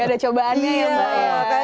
gak ada cobaan lagi mbak ya